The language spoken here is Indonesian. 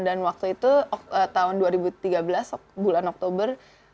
dan waktu itu tahun dua ribu tiga belas bulan oktober